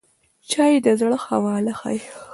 چای د زړه خواله ښيي